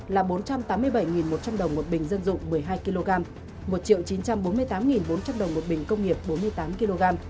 là bốn trăm tám mươi bảy một trăm linh đồng một bình dân dụng một mươi hai kg một chín trăm bốn mươi tám bốn trăm linh đồng một bình công nghiệp bốn mươi tám kg